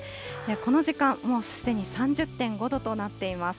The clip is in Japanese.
この時間、もうすでに３０．５度となっています。